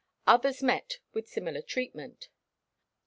Others met with similar treatment.